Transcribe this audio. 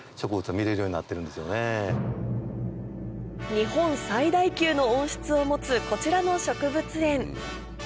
日本最大級の温室を持つこちらの植物園